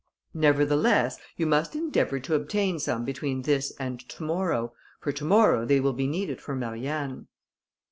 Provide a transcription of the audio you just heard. "Nevertheless, you must endeavour to obtain some between this and to morrow, for to morrow they will be needed for Marianne."